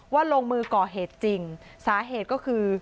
ลงมือก่อเหตุจริงสาเหตุก็คือ